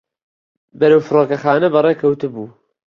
بەرەو فڕۆکەخانە بەڕێکەوتبوو.